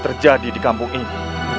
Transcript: terjadi di kampung ini